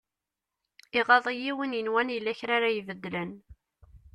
Iɣaḍ-iyi win yenwan yella kra ara ibedlen.